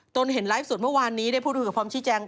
เห็นไลฟ์สดเมื่อวานนี้ได้พูดคุยกับพร้อมชี้แจง